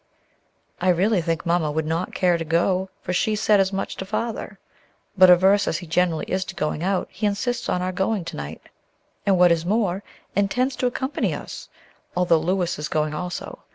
"I really think Mamma would not care to go, for she said as much to Father; but, averse as he generally is to going out, he insists on our going to night, and, what is more, intends to accompany us, although Louis is going also.